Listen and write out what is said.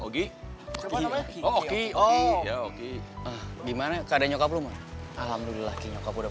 gimana keadaan nyokapnya alhamdulillah